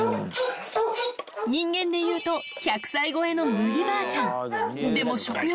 人間でいうと１００歳超えのむぎばあちゃん。